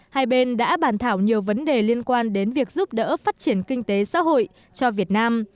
hai bên đã bàn thảo nhiều vấn đề liên quan đến việc giúp đỡ phát triển kinh tế xã hội cho việt nam